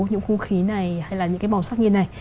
những khung khí này hay là những cái màu sắc như này